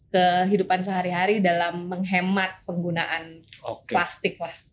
kehidupan sehari hari dalam menghemat penggunaan plastik lah